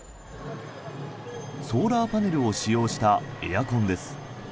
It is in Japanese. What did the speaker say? ソーラーパネルを使用したエアコンです。